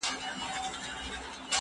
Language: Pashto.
زه د زده کړو تمرين کړی دی؟